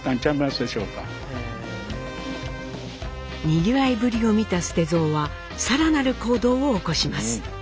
にぎわいぶりを見た捨蔵は更なる行動を起こします。